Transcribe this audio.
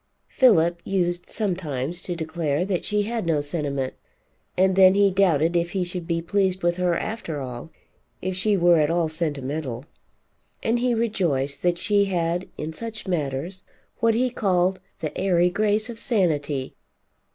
Philip used sometimes to declare that she had no sentiment; and then he doubted if he should be pleased with her after all if she were at all sentimental; and he rejoiced that she had, in such matters what he called the airy grace of sanity.